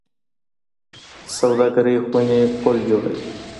سوداګرۍ خونې پل جوړوي